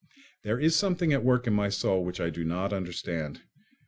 There is something at work in my soul which I do not understand.